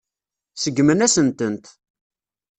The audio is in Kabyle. Seggmen-asen-tent.